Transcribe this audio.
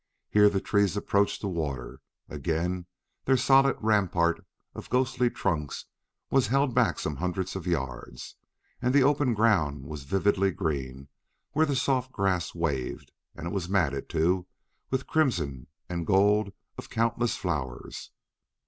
Here the trees approached the water: again their solid rampart of ghostly trunks was held back some hundreds of yards. And the open ground was vividly green where the soft grass waved; and it was matted, too, with crimson and gold of countless flowers.